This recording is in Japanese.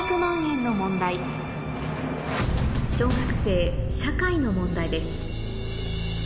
小学生の問題です